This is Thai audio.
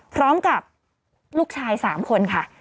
พร้อมกับลูกชาย๓คนค่ะ